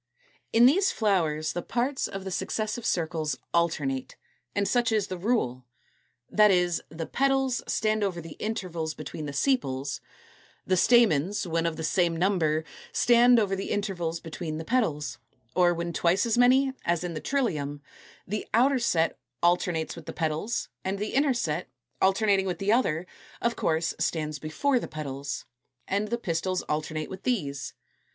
= In these flowers the parts of the successive circles alternate; and such is the rule. That is, the petals stand over the intervals between the sepals; the stamens, when of the same number, stand over the intervals between the petals; or when twice as many, as in the Trillium, the outer set alternates with the petals, and the inner set, alternating with the other, of course stands before the petals; and the pistils alternate with these.